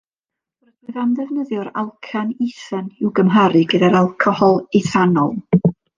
Rydwyf am ddefnyddio'r alcan ethan i'w gymharu gyda'r alcohol ethanol